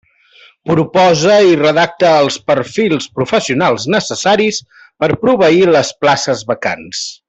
Proposa i redacta els perfils professionals necessaris per proveir les places vacants.